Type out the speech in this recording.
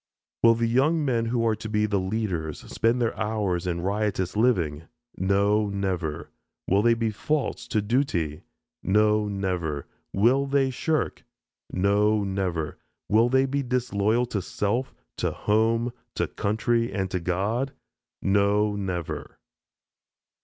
Will the young men who are to be the leaders, spend their hours in riotous living? No, never! Will they be false to duty? No, never! Will they shirk? No, never! Will they be disloyal to self, to home, to country, and to God? No, never!